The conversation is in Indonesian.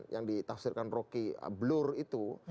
yang ditafsirkan rocky blur itu